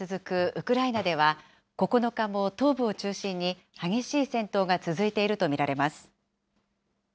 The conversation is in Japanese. ウクライナでは、９日も東部を中心に激しい戦闘が続いていると見られます。